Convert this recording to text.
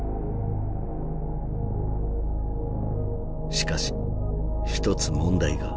しかし一つ問題が。